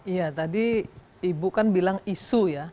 iya tadi ibu kan bilang isu ya